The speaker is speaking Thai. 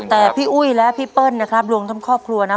แต่พี่อุ้ยและพี่เปิ้ลนะครับรวมทั้งครอบครัวนะ